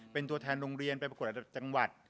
เป็นตัวแทนโรงเรียนไปประกวดระดับจังหวัด